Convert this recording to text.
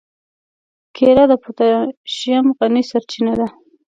کېله د پوتاشیم غني سرچینه ده.